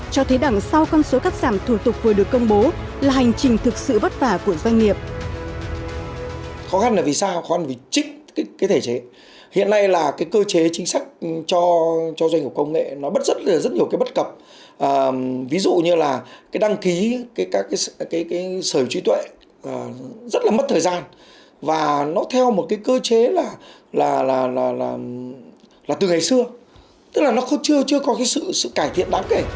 cho thấy đằng sau con số cắt giảm thủ tục vừa được công bố là hành trình thực sự bất vả của doanh nghiệp